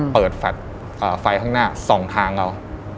เปิดไฟข้างหน้าสองทางเรา